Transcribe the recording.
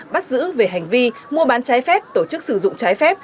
bắt giữ về hành vi mua bán trái phép tổ chức sử dụng trái phép